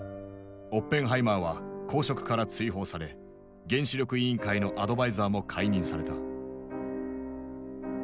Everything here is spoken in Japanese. オッペンハイマーは公職から追放され原子力委員会のアドバイザーも解任された。